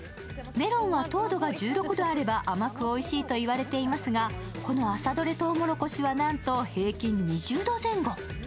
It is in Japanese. メロンは糖度が１６度あれば甘くおいしいと言われていますがこの朝どれとうもろこしはなんと平均２０度前後。